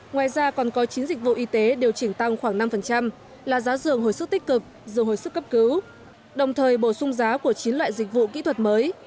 ngoài ra còn có chín dịch vụ y tế điều chỉnh tăng khoảng năm là giá dường hồi sức tích cực dựng hồi sức cấp cứu đồng thời bổ sung giá của chín loại dịch vụ kỹ thuật mới